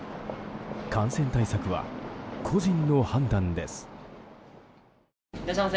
感染対策は、個人の判断です。